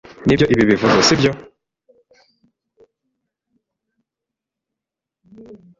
Nibyo ibi bivuze, sibyo?